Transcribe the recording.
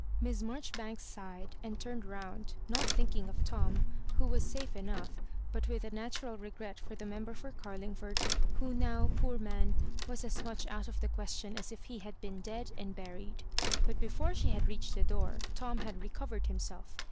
Miss Marjoribanks sighed, and turned round, not think ing of Tom, who was safe enough,4>ut with a uatural regret for the member for Oarlingford, who now, poor man, was as much out of the question as if he had been dead and buried. But before she had reached the door Tom had recovered himself.